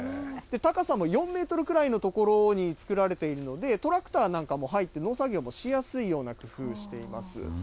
高さも４メートルぐらいの所に作られているので、トラクターなんかも入って、農作業なんかもしやすいような工夫をしています。